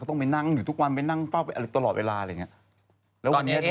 เขาต้องไปนั่งอยู่ทุกวันไปนั่งเฝ้าไปอะไรตลอดเวลาอะไรอย่างนี้